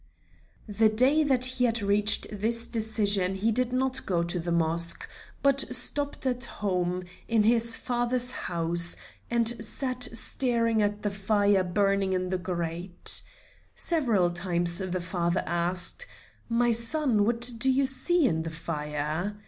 The day that he reached this decision he did not go to the Mosque, but stopped at home, in his father's house, and sat staring at the fire burning in the grate. Several times the father asked: "My son, what do you see in the fire?"